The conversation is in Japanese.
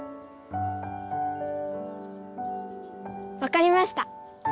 わかりました。